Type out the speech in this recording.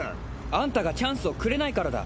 あんたがチャンスをくれないからだ。